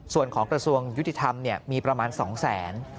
ส่วนของกระทรวงยุติธรรมมีประมาณ๒แสน